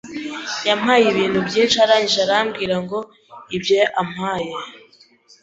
yampaye ibintu byinshi arangije arambwira ngo ibyo ampaye